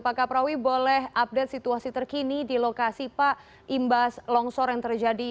pak kaprawi boleh update situasi terkini di lokasi pak imbas longsor yang terjadi